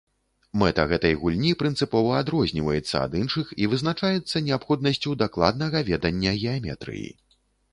Мэта гэтай гульні прынцыпова адрозніваецца ад іншых і вызначаецца неабходнасцю дакладнага ведання геаметрыі.